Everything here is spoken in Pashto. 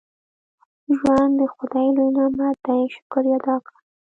• ژوند د خدای لوی نعمت دی، شکر یې ادا کړه.